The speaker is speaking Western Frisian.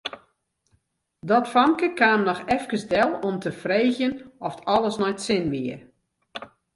Dat famke kaam noch efkes del om te freegjen oft alles nei't sin wie.